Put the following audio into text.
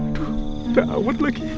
aduh da'awet lagi